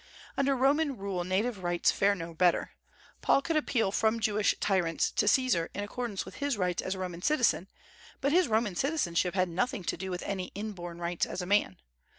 Under Roman rule native rights fare no better. Paul could appeal from Jewish tyrants to Caesar in accordance with his rights as a Roman citizen; but his Roman citizenship had nothing to do with any inborn rights as a man.